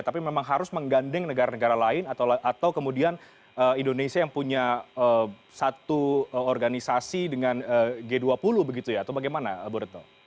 tapi memang harus menggandeng negara negara lain atau kemudian indonesia yang punya satu organisasi dengan g dua puluh begitu ya atau bagaimana bu retno